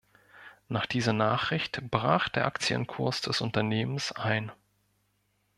Nach dieser Nachricht brach der Aktienkurs des Unternehmens ein.